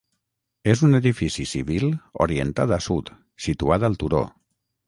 És un edifici civil orientat a sud, situat al turó.